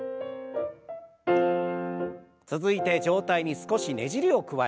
続いて上体に少しねじりを加える運動。